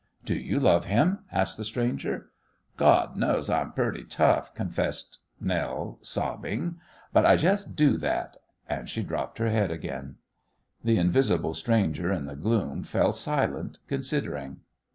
"Do you love him?" asked the stranger. "God knows I'm purty tough," confessed Nell, sobbing, "but I jest do that!" and she dropped her head again. The invisible stranger in the gloom fell silent, considering.